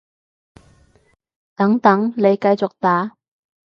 等等，你繼續打